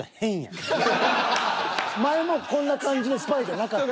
前もこんな感じでスパイじゃなかった。